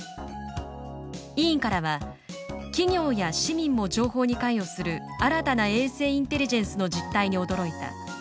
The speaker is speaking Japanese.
委員からは「企業や市民も情報に関与する新たな衛星インテリジェンスの実態に驚いた。